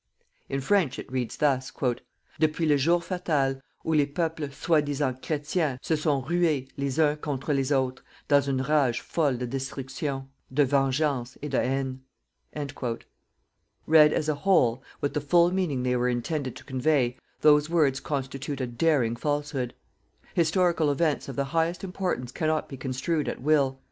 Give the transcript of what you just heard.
In French, it reads thus: "_depuis le jour fatal ou les peuples soi disant chrétiens se sont rués les uns contre les autres, dans une rage folle de destruction, de vengeance et de haine_." Read as a whole, with the full meaning they were intended to convey, those words constitute a daring falsehood. Historical events of the highest importance cannot be construed at will.